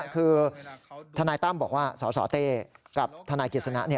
คือทนายตั้มบอกว่าสสเต้กับทนายกิจสนะ